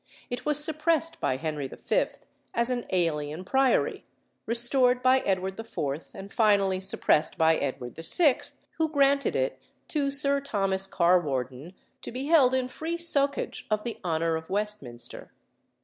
It was suppressed by Henry V. as an alien priory, restored by Edward IV., and finally suppressed by Edward VI., who granted it to Sir Thomas Carwarden, to be held in free soccage of the honour of Westminster.